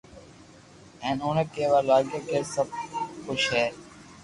ھين اوني ڪيوا لاگيا ڪي سب خوݾ ھي